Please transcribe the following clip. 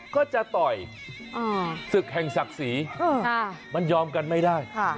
ก็จะต่อยศึกแห่งศักดิ์ศรีมันยอมกันไม่ได้